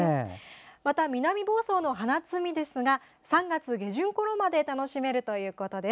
また、南房総の花摘みですが３月下旬ごろまで楽しめるということです。